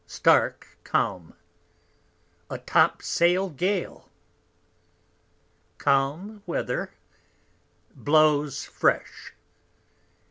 Stark Calm. | A Top sail Gale. Calm Weather. | _Blows fresh.